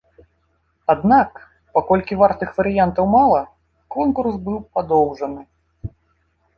Аднак, паколькі вартых варыянтаў мала, конкурс быў падоўжаны.